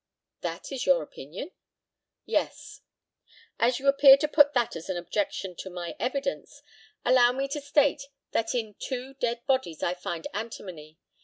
That is your opinion? Yes. As you appear to put that as an objection to my evidence, allow me to state that in two dead bodies I find antimony.